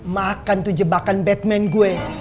makan tuh jebakan batman gue